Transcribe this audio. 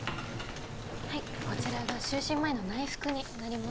はいこちらが就寝前の内服になります